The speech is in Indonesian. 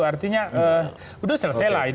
artinya udah selesai lah itu